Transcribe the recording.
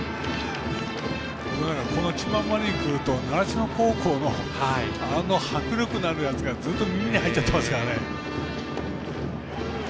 この千葉マリンに来ると習志野高校のあの迫力のあるやつが、ずっと耳に入っちゃってますからね。